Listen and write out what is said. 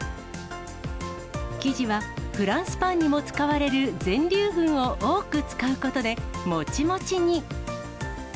生地はフランスパンにも使われる全粒粉を多く使うことで、もちもちに。